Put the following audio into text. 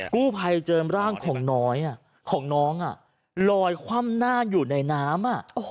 กู้ภัยเจอร่างของน้อยของน้องลอยคว่ำหน้าอยู่ในน้ำ